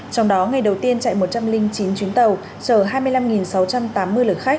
trong đó ngày đầu tiên chạy một trăm linh chín chuyến tàu chở hai mươi năm sáu trăm tám mươi lượt khách